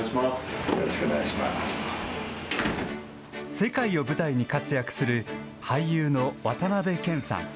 世界を舞台に活躍する俳優の渡辺謙さん